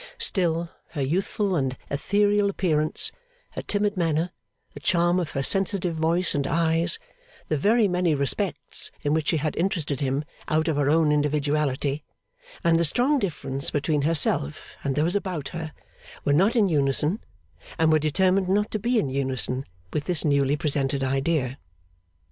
Still, her youthful and ethereal appearance, her timid manner, the charm of her sensitive voice and eyes, the very many respects in which she had interested him out of her own individuality, and the strong difference between herself and those about her, were not in unison, and were determined not to be in unison, with this newly presented idea.